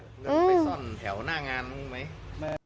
เงินไปซ่อนแถวหน้างานบ้างไหม